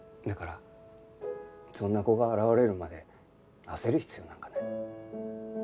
だからそんな子が現れるまで焦る必要なんかない。